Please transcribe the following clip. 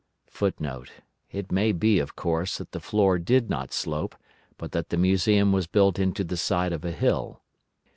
[Footnote: It may be, of course, that the floor did not slope, but that the museum was built into the side of a hill.